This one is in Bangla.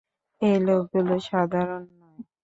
এই লোকগুলো সাধারণ নয়।